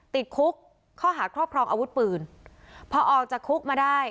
ติดคุกข้อหาครอบครองอาวุธปืนพอออกจากคุกมาได้